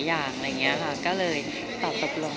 อย่างไรไงประกอบ